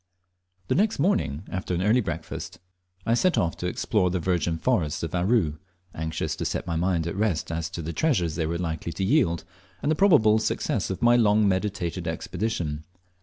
The next morning, after an early breakfast, I set off to explore the virgin forests of Aru, anxious to set my mind at rest as to the treasures they were likely to yield, and the probable success of my long meditated expedition.